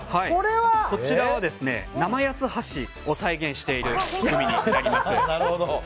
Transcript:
こちらは生八つ橋を再現しているグミです。